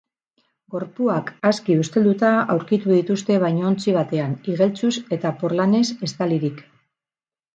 Gorpuak aski ustelduta aurkitu dituzte bainuontzi batean, igeltsuz eta porlanez estalirik.